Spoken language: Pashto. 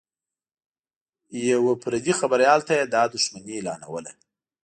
یوه پردي خبریال ته یې دا دښمني اعلانوله